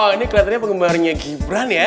ini keliatannya pengemarnya gibran ya